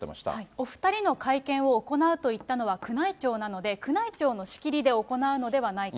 お２人の会見を行うと言ったのは、宮内庁なので、宮内庁の仕切りで行うのではないか。